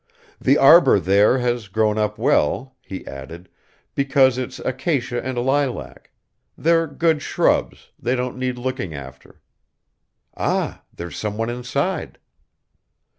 The arbor there has grown up well," he added, "because it's acacia and lilac; they're good shrubs, they don't need looking after. Ah! there's someone inside."